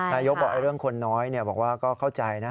นายกบอกเรื่องคนน้อยบอกว่าก็เข้าใจนะ